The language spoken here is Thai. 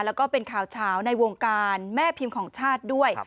แล้วก็เป็นข่าวเฉาในวงการแม่พิมพ์ของชาติด้วย